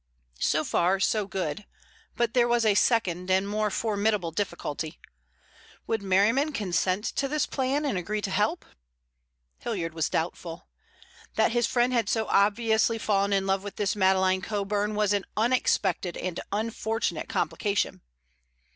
So far, so good, but there was a second and more formidable difficulty. Would Merriman consent to this plan and agree to help? Hilliard was doubtful. That his friend had so obviously fallen in love with this Madeleine Coburn was an unexpected and unfortunate complication.